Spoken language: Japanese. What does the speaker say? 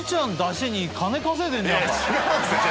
違うんですよ。